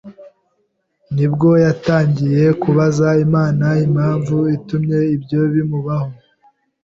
nibwo yatangiye kubaza Imana impamvu itumye ibyo bimubaho,